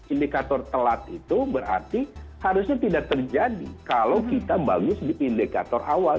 indikator telat itu berarti harusnya tidak terjadi kalau kita bagus di indikator awal